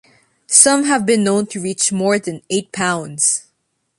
Some have been known to reach more than eight pounds.